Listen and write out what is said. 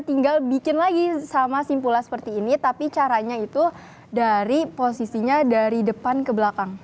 tinggal bikin lagi sama simpulan seperti ini tapi caranya itu dari posisinya dari depan ke belakang